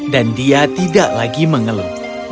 dan dia tidak lagi mengeluh